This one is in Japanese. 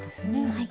はい。